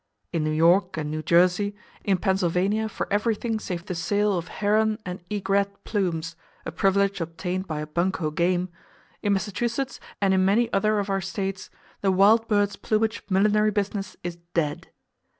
In New York and New Jersey, in Pennsylvania for everything save the sale of heron and egret plumes (a privilege obtained by a bunko game), in Massachusetts, and in many other of our States, the wild birds' plumage millinery business is dead.